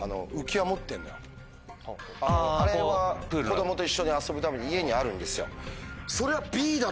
あれは子供と一緒に遊ぶために家にあるんですよ。